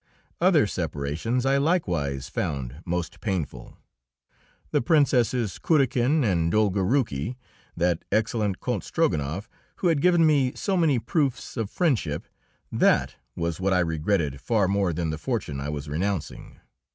Other separations I likewise found most painful. The Princesses Kurakin and Dolgoruki, that excellent Count Strogonoff, who had given me so many proofs of friendship that was what I regretted far more than the fortune I was renouncing.